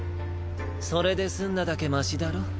それで済んだだけましだろ。